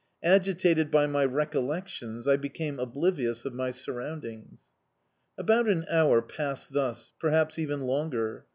Agitated by my recollections, I became oblivious of my surroundings. About an hour passed thus, perhaps even longer.